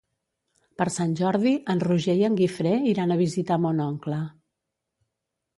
Per Sant Jordi en Roger i en Guifré iran a visitar mon oncle.